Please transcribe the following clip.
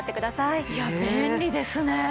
いや便利ですね。